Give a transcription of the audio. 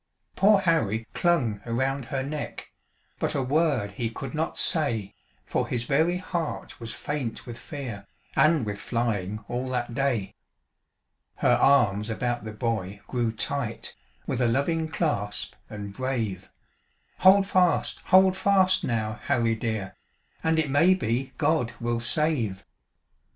Poor Harry clung around her neck, But a word he could not say, For his very heart was faint with fear, And with flying all that day. Her arms about the boy grew tight, With a loving clasp, and brave; "Hold fast! Hold fast, now, Harry dear, And it may be God will save."